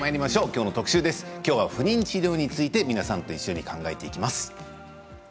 きょうは不妊治療について皆さんと一緒に考えていきます。